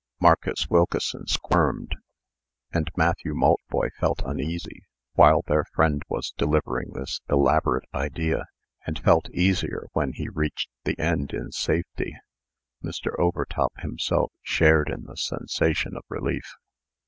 Marcus Wilkeson squirmed, and Matthew Maltboy felt uneasy, while their friend was delivering this elaborate idea, and felt easier when he reached the end in safety. Mr. Overtop himself shared in the sensation of relief.